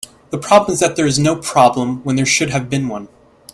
The problem is that there is no problem when there should have been one.